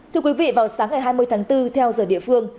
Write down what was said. thưa quý vị vào sáng ngày hai mươi tháng bốn theo giờ địa phương